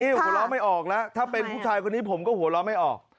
หัวเราะไม่ออกแล้วถ้าเป็นผู้ชายคนนี้ผมก็หัวเราะไม่ออก